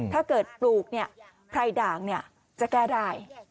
ถ้าเกิดปลูกไพรด่างจะแก้ได้